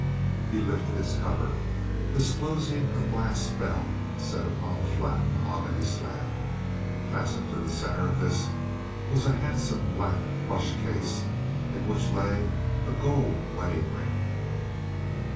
He lifted its cover, disclosing a glass bell set upon a flat, mahogany slab. Fastened to the center of this was a handsome black plush case, in which lay a gold wedding ring.